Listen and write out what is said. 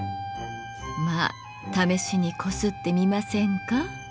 まあ試しにこすってみませんか？